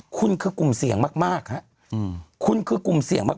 คุณคือกลุ่มเสี่ยงมากฮะคุณคือกลุ่มเสี่ยงมาก